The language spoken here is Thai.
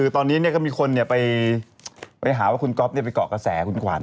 ตอนนี้ก็มีคนไปหาว่าคุณก๊อฟไปเกาะกระแสคุณขวัญ